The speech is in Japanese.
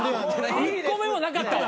１個目もなかったわ。